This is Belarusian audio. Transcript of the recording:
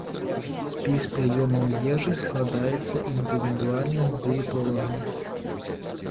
Спіс прыёмаў ежы складаецца індывідуальна з дыетолагам.